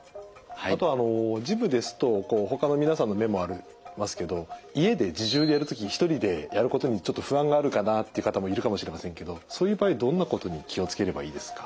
あとはジムですとほかの皆さんの目もありますけど家で自重でやる時に１人でやることにちょっと不安があるかなって方もいるかもしれませんけどそういう場合どんなことに気を付ければいいですか？